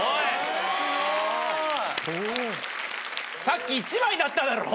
さっき１枚だっただろ？